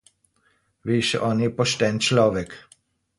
Veš, on je pošten človek.